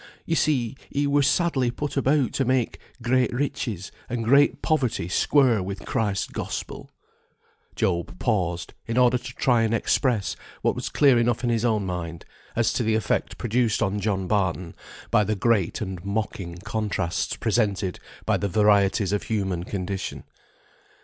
You see he were sadly put about to make great riches and great poverty square with Christ's Gospel" Job paused, in order to try and express what was clear enough in his own mind, as to the effect produced on John Barton by the great and mocking contrasts presented by the varieties of human condition.